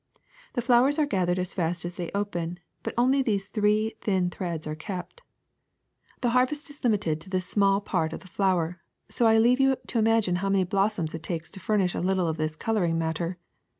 The flowers are gathered as fast as they open, but only these three thin threads are kept. The harvest is limited OTHER WHEAT PRODUCTS 269 to this small part of the flower, so I leave you to imagine how many blossoms it takes to furnish a little of this coloring matter.